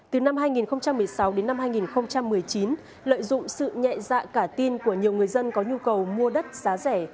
từ năm hai nghìn một mươi sáu đến năm hai nghìn một mươi chín lợi dụng sự nhẹ dạ cả tin của nhiều người dân có nhu cầu mua đất giá rẻ